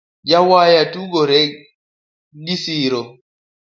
Jawanya tugore gisiro